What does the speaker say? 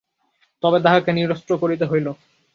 তবে তাহাকে নিরস্ত করিতে হইল।